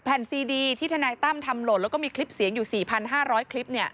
แผ่นซีดีที่ทนายตั้มทำโหลดแล้วก็มีคลิปเสียงอยู่สี่พันห้าร้อยคลิปเนี่ย